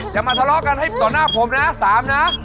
อย่ามาทะเลาะกันให้ต่อหน้าผมนะ๓นะ